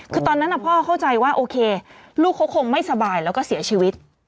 คือตอนนั้นพ่อเข้าใจว่าโอเคลูกเขาคงไม่สบายแล้วก็เสียชีวิต